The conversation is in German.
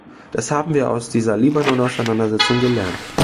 Das haben wir aus dieser Libanon-Auseinandersetzung gelernt.